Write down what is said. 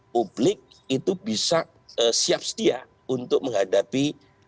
publik itu bisa siap setia untuk menghadapi